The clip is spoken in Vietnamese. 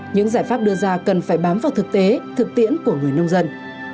những giải pháp đưa ra cần phải bám vào thực tế thực tiễn của người nông dân